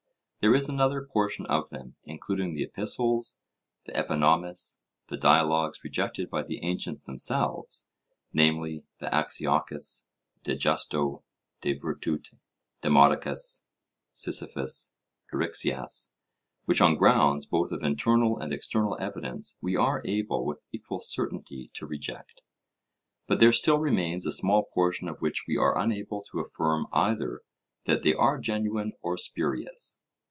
There is another portion of them, including the Epistles, the Epinomis, the dialogues rejected by the ancients themselves, namely, the Axiochus, De justo, De virtute, Demodocus, Sisyphus, Eryxias, which on grounds, both of internal and external evidence, we are able with equal certainty to reject. But there still remains a small portion of which we are unable to affirm either that they are genuine or spurious.